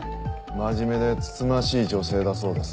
真面目でつつましい女性だそうです。